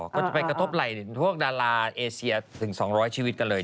ก็จะไปกระทบไหล่พวกดาราเอเชียถึง๒๐๐ชีวิตกันเลย